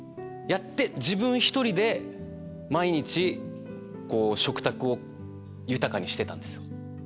自分１人で毎日食卓を豊かにしてたんですよ。